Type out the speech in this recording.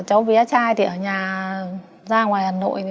cháu bé trai thì ở nhà ra ngoài hà nội